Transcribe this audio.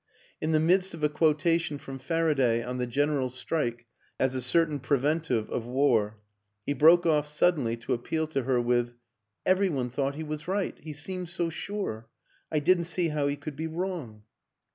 In the midst of a quotation from Faraday on the general strike as a certain preven tive of war, he broke off suddenly to appeal to her with :" Every one thought he was right. He seemed so sure. I didn't see how he could be wrong!